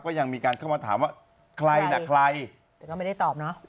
ยังมีการเข้ามาถามว่าใครน่ะใครแต่ก็ไม่ได้ตอบเนอะ